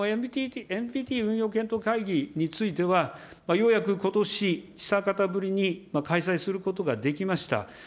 ＮＰＴ運用検討会議については、ようやくことし、久方ぶりに開催することができました。